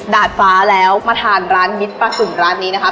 ดาดฟ้าแล้วมาทานร้านมิตรปลาสุ่มร้านนี้นะคะ